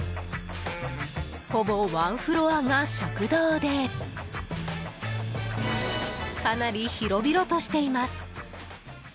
ほぼ１フロアが食堂でかなり広々としています。